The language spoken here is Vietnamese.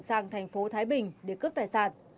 sang thành phố thái bình để cướp tài sản